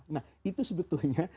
nah itu sebetulnya